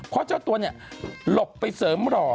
เพราะเจ้าตัวเนี่ยหลบไปเสริมหล่อ